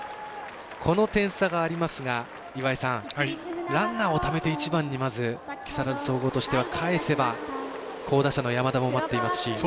この点差がありますがランナーをためて１番にまず木更津総合としてはかえせば好打者の山田も待っていますし。